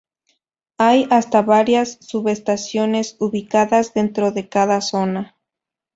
Hay hasta varias "subestaciones" ubicadas dentro de cada zona.